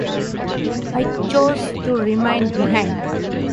I chose to remain behind.